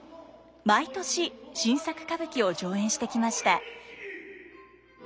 毎年新作歌舞伎を上演してきました。